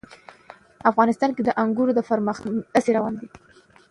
افغانستان کې د انګور د پرمختګ هڅې روانې دي.